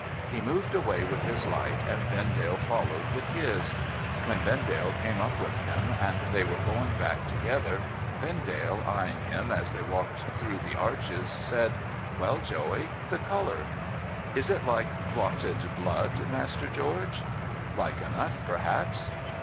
He moved away with his light, and Vendale followed with his. When Vendale came up with him, and they were going back together, Vendale, eyeing him as they walked through the arches, said :' Well, Joey ? The colour.' ' Is it like clotted blood, Master George ?'* Like enough, perhaps.'